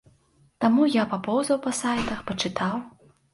Таму я папоўзаў па сайтах, пачытаў.